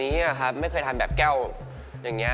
ครับไม่เคยทานแบบแก้วอย่างนี้